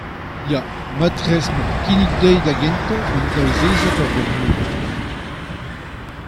ya, marteze met kinnig dezhi da gentañ an daou zeiziad hor boa miret.